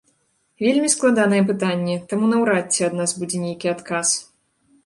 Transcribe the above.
Вельмі складанае пытанне, таму наўрад ці ад нас будзе нейкі адказ.